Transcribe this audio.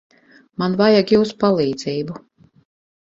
Man vajag jūsu palīdzību.